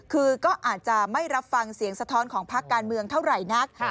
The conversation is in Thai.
คือก็อาจจะไม่รับฟังเสียงสะท้อนของพักการเมืองเท่าไหร่นัก